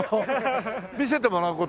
見せてもらう事。